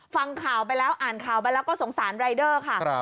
ฟังข่าวไปแล้วอ่านข่าวไปแล้วก็สงสารรายเดอร์ค่ะ